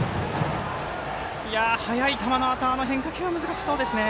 速い球のあとのあの変化球は難しそうですね。